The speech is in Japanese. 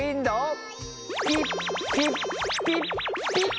ピッピッピッピッ。